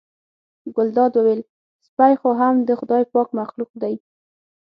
ګلداد وویل سپی خو هم د خدای پاک مخلوق دی.